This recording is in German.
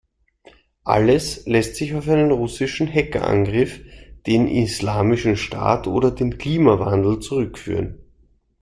Alles lässt sich auf einen russischen Hackerangriff, den Islamischen Staat oder den Klimawandel zurückführen.